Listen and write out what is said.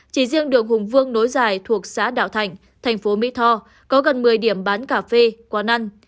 chỉ riêng đường hùng vương nối dài thuộc xã đạo thạnh thành phố mỹ tho có gần một mươi điểm bán cà phê quán ăn